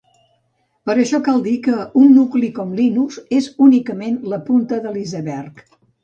Per això cal dir que un nucli com Linux és únicament la punta de l'iceberg.